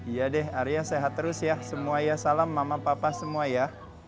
iya deh arya sehat terus ya semua ya salam mama papa semua ya